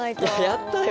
やったよ！